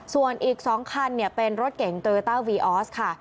ส่วนอีกสองคันเนี้ยเป็นรถเก่งเตอร์ต้าวีออสค่ะ